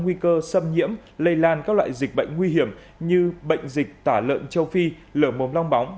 nguy cơ xâm nhiễm lây lan các loại dịch bệnh nguy hiểm như bệnh dịch tả lợn châu phi lở mồm long bóng